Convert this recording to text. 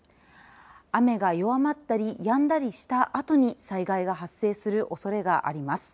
雨が弱まったりやんだりしたあとに災害が発生するおそれがあります。